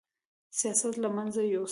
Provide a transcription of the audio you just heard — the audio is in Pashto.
سیاست له منځه یوسي